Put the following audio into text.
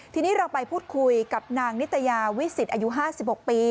ทีนี้เราไปพูดคุยกับนางนิตยาวิสิตอายุ๕๖ปี